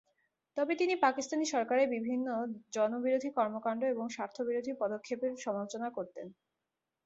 তবে তিনি পাকিস্তানি সরকারের বিভিন্ন জনবিরোধী কর্মকাণ্ড এবং স্বার্থবিরোধী পদক্ষেপের সমালোচনা করতেন।